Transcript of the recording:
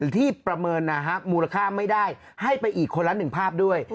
ที่ประเมินนะฮะมูลค่าไม่ได้ให้ไปอีกคนละ๑ภาพด้วย